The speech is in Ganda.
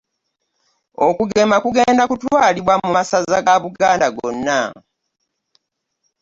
Okugema kugenda kutwalibwa mu masaza ga Buganda gonna.